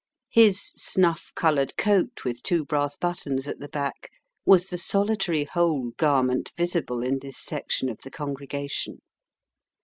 His snuff coloured coat with two brass buttons at the back was the solitary whole garment visible in this section of the congregation.